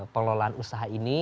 pelolaan usaha ini